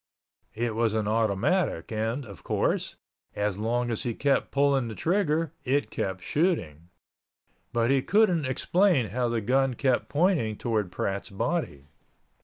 It was an automatic and, of course, as long as he kept pulling the trigger it kept shooting, but he couldn't explain how the gun kept pointing towards Pratt's body.